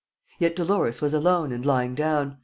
Yet Dolores was alone and lying down.